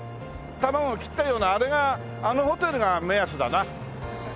卵を切ったようなあれがあのホテルが目安だな。